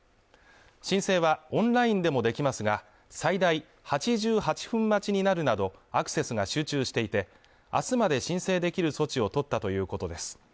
申請はオンラインでもできますが、最大８８分待ちになるなど、アクセスが集中していて、明日まで申請できる措置を取ったということです。